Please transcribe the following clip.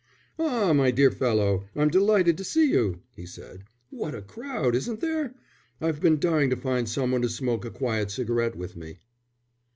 "Ah, my dear fellow, I'm delighted to see you," he said. "What a crowd, isn't there? I've been dying to find some one to smoke a quiet cigarette with me."